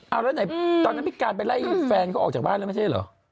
เอาแล้วไหนตอนนั้นพี่การไปไล่แฟนเขาออกจากบ้านแล้วไม่ใช่เหรอ